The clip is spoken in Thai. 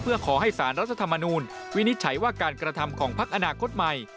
เพื่อขอให้สารรัฐธรรมนูลวินิจฉัยว่าการกระทำของพักอนาคตใหม่